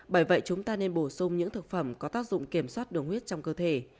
bởi vậy chúng ta nên bổ sung những thực phẩm có tác dụng kiểm soát đường huyết trong cơ thể